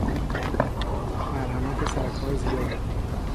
مرحمت سرکار زیاد